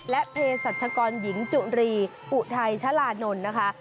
และเพศรัชกรหญิงจุรีอุทัยชะลานนท์นะคะ